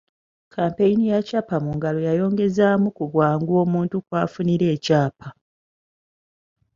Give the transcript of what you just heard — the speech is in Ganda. Kkampeyini ya ‘Kyapa mu Ngalo’ yayongezaamu ku bwangu omuntu kw’afunira ekyapa.